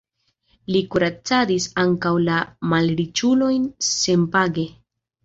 Li kuracadis ankaŭ la malriĉulojn senpage.